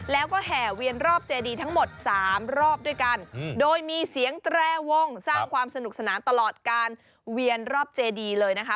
แล้วก็แห่เวียนรอบเจดีทั้งหมด๓รอบด้วยกันโดยมีเสียงแตรวงสร้างความสนุกสนานตลอดการเวียนรอบเจดีเลยนะคะ